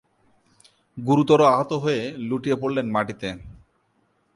গুরুতর আহত হয়ে লুটিয়ে পড়লেন মাটিতে।